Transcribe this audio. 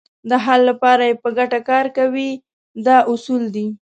د حل لپاره یې په ګټه کار کوي دا اصول دي.